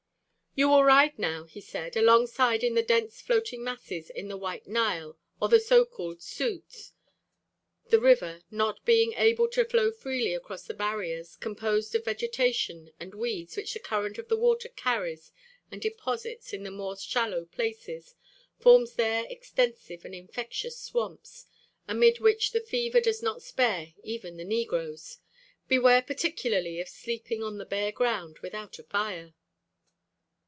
"You will ride now," he said, "alongside of the dense floating masses in the White Nile or the so called 'sudds'. The river, not being able to flow freely across the barriers composed of vegetation and weeds which the current of the water carries and deposits in the more shallow places, forms there extensive and infectious swamps, amid which the fever does not spare even the negroes. Beware particularly of sleeping on the bare ground without a fire."